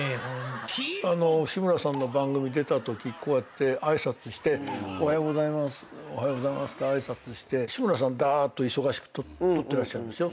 志村さんの番組出たときこうやって挨拶しておはようございますって挨拶して志村さんだっと忙しく撮ってらっしゃるでしょ？